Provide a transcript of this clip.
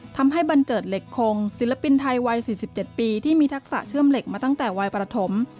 บันเจิดเหล็กคงศิลปินไทยวัย๔๗ปีที่มีทักษะเชื่อมเหล็กมาตั้งแต่วัยประถม